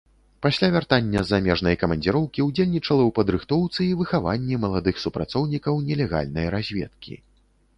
Пасля вяртання з замежнай камандзіроўкі ўдзельнічала ў падрыхтоўцы і выхаванні маладых супрацоўнікаў нелегальнай разведкі.